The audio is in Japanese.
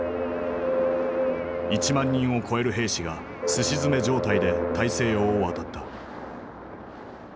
１万人を超える兵士がすし詰め状態で大西洋を渡った。